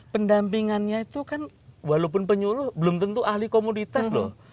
pendampingannya itu kan walaupun penyuluh belum tentu ahli komoditas loh